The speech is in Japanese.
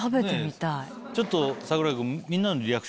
ちょっと櫻井君。